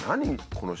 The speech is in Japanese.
この人。